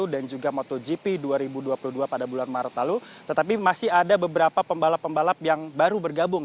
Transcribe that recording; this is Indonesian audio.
juga motogp dua ribu dua puluh dua pada bulan maret lalu tetapi masih ada beberapa pembalap pembalap yang baru bergabung